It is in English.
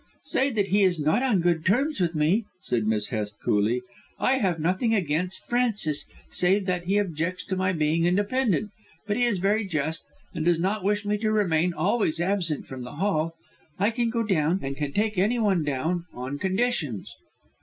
"Say that he is not on good terms with me," said Miss Hest coolly. "I have nothing against Francis, save that he objects to my being independent. But he is very just, and does not wish me to remain always absent from the Hall. I can go down, and can take any one down, on conditions."